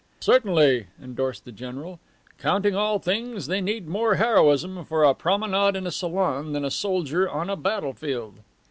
"Certainly," endorsed the general. "Counting all things, they need more heroism for a promenade in a salon than a soldier on a battle field."